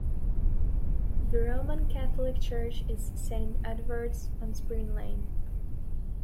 The Roman Catholic church is Saint Edward's, on Spring Lane.